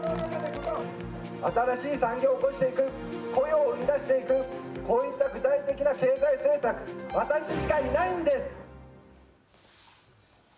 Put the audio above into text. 新しい産業を興していく、雇用を生み出していく、こういった具体的な経済政策、私しかいないんです。